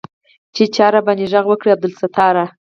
چې چا راباندې ږغ وکړ عبدالستاره.